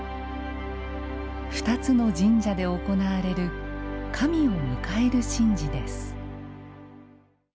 ２つの神社で行われる神を迎える神事です。